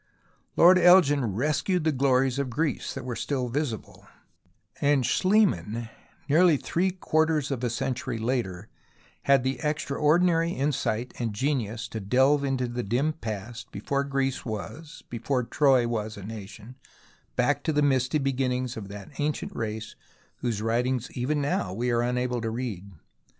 Lord Elgin rescued the glories of Greece that were still visible, but Schliemann nearly three quarters of a century later had the extraordinary insight and genius to delve into the dim past before Greece was, before Troy was a nation, back to the misty beginnings of that ancient race whose writings even now we are unable to read.